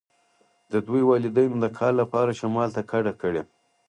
د دوی والدینو د کار لپاره شمال ته کډه کړې